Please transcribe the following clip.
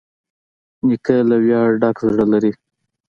نیکه له ویاړه ډک زړه لري.